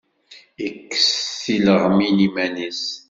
Ikes tileɣmin iman-is.